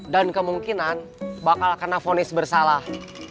dan kemungkinan bakal kena vonis bersalah